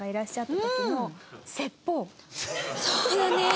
そうだね。